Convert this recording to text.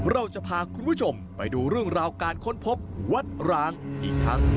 เราจะพาคุณผู้ชมไปดูเรื่องราวการค้นพบวัดร้างอีกทั้ง